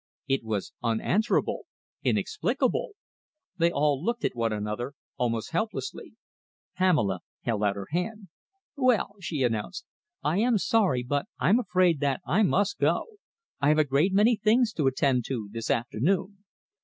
It was unanswerable, inexplicable. They all looked at one another almost helplessly. Pamela held out her hand. "Well," she announced, "I am sorry, but I'm afraid that I must go. I have a great many things to attend to this afternoon."